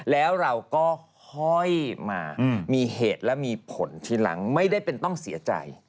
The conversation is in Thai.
แล้วเราก็ห้อยมามีเหตุและมีผลทีหลังไม่ได้เป็นต้องเสียใจ